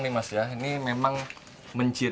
di bawah berempatan